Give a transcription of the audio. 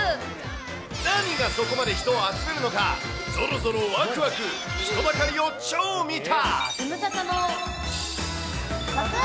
何がそこまで人を集めるのか、ぞろぞろ、わくわく、人だかりを超見た。